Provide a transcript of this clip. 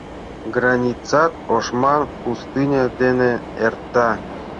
Границат ошман пустыня дене эрта.